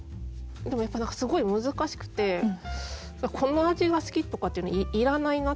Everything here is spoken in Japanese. でもやっぱ何かすごい難しくて「この味が好き」とかっていらないなって。